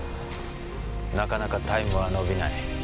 なかなかタイムは伸びない。